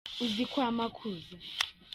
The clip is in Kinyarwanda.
Uzi kwa makuza?